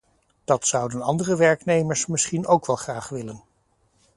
Dat zouden andere werknemers misschien ook wel graag willen.